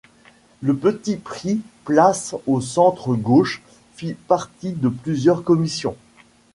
Lepetit prit place au centre gauche, fit partie de plusieurs commissions.